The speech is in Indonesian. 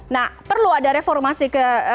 nah perlu ada reformasi ke